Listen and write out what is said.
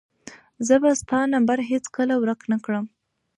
زه به ستا نمبر هیڅکله ورک نه کړم.